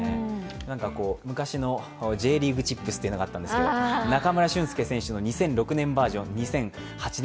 昔のＪリーグチップスというのがあったんですけど、中村俊輔選手の２００６年バージョン２００８年